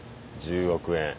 １０億円。